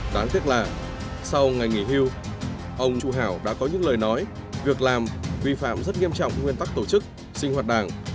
đáng tiếc là sau ngày nghỉ hưu ông chủ hảo đã có những lời nói việc làm vi phạm rất nghiêm trọng nguyên tắc tổ chức sinh hoạt đảng